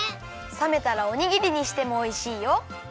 さめたらおにぎりにしてもおいしいよ！